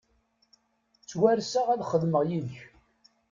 Ttwarseɣ ad xedmeɣ yid-k.